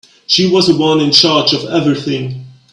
She was the one in charge of everything.